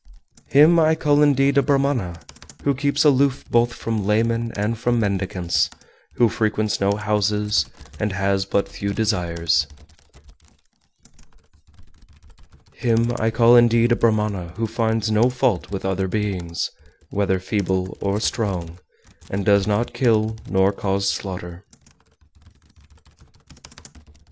404. Him I call indeed a Brahmana who keeps aloof both from laymen and from mendicants, who frequents no houses, and has but few desires. 405. Him I call indeed a Brahmana who finds no fault with other beings, whether feeble or strong, and does not kill nor cause slaughter.